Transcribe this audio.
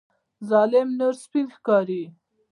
ظالم نور سپین ښکاري.